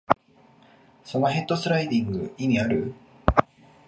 そのヘッドスライディング、意味ある？